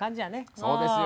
そうですよ。